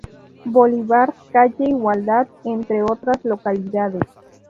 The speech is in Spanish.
Bolívar, Calle Igualdad, entre otras localidades.